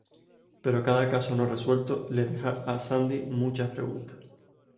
Pero cada caso no resuelto le deja a Sandy muchas preguntas.